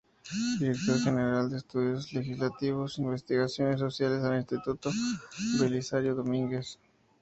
Director General de Estudios Legislativos: Investigaciones Sociales del Instituto Belisario Domínguez.